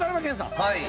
はい。